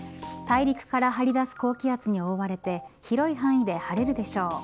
大陸から張り出す高気圧に覆われて広い範囲で晴れるでしょう。